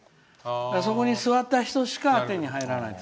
そこに座った人しか手に入らないんです。